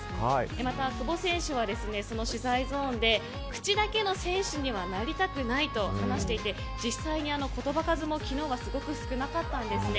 また、久保選手はその取材ゾーンで口だけの選手にはなりたくないと話していて実際に、言葉数も昨日はすごく少なかったんですね。